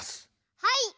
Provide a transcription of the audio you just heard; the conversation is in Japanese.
はい！